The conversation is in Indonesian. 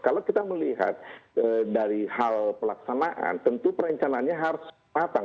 kalau kita melihat dari hal pelaksanaan tentu perencanaannya harus matang